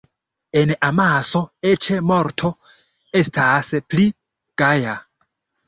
En amaso eĉ morto estas pli gaja.